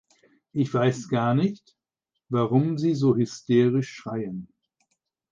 Ich weiß gar nicht, warum Sie so hysterisch schreien.